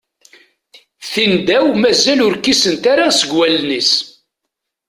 Tindaw mazal ur kkisent ara seg wallen-is.